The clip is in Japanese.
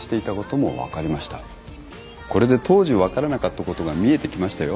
これで当時分からなかったことが見えてきましたよ。